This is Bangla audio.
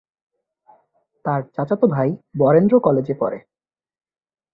তার চাচাতো ভাই বরেন্দ্র কলেজে পড়ে।